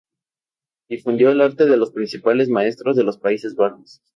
Difundió el arte de los principales maestros de los Países Bajos.